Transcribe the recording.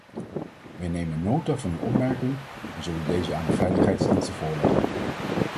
Wij nemen nota van uw opmerking en zullen deze aan de veiligheidsdiensten voorleggen.